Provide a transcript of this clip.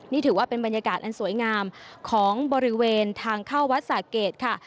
นี่ถือว่าเป็นบรรยากาศอันสวยงามของบริเวณทางเข้าวัดสะเกดค่ะ